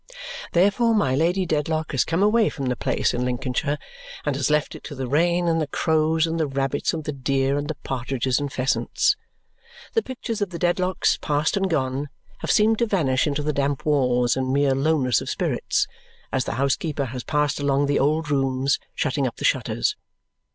Therefore my Lady Dedlock has come away from the place in Lincolnshire and has left it to the rain, and the crows, and the rabbits, and the deer, and the partridges and pheasants. The pictures of the Dedlocks past and gone have seemed to vanish into the damp walls in mere lowness of spirits, as the housekeeper has passed along the old rooms shutting up the shutters.